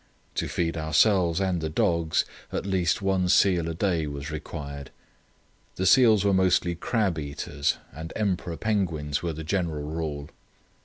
To feed ourselves and the dogs, at least one seal a day was required. The seals were mostly crab eaters, and emperor penguins were the general rule.